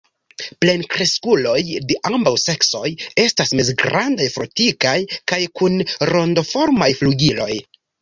Plenkreskuloj de ambaŭ seksoj estas mezgrandaj, fortikaj kaj kun rondoformaj flugiloj.